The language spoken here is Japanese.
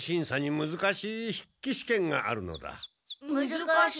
むずかしい試験？